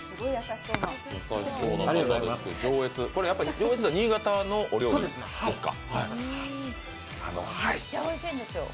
上越だから新潟のお料理ですか。